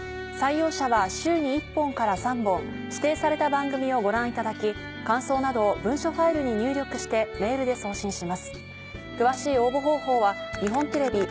採用者は週に１本から３本指定された番組をご覧いただき感想などを文書ファイルに入力してメールで送信します。